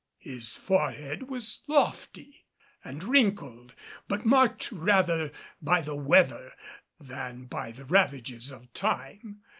His forehead was lofty and wrinkled, but marked rather by the weather than by the ravages of time.